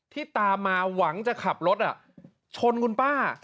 ตามมาหวังจะขับรถชนคุณป้า